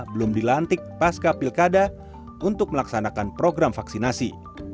belum dilantik pasca pilkada untuk melaksanakan program vaksinasi